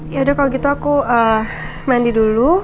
ya udah kalau gitu aku mandi dulu